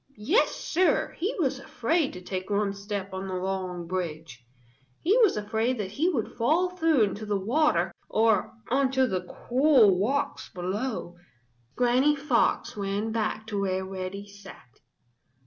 Yes, Sir, he was afraid to take one step on the long bridge. He was afraid that he would fall through into the water or onto the cruel rocks below. Granny Fox ran back to where Reddy sat.